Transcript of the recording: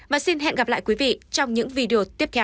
và xin hẹn gặp lại quý vị trong những video tiếp theo